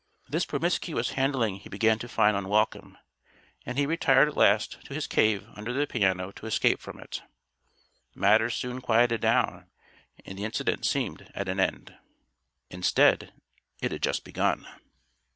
This promiscuous handling he began to find unwelcome. And he retired at last to his "cave" under the piano to escape from it. Matters soon quieted down; and the incident seemed at an end. Instead, it had just begun.